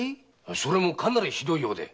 それもかなりひどいようで。